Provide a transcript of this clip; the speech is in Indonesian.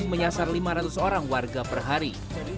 menyasar lima ratus orang warga per hari